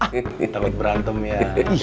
ah takut berantem ya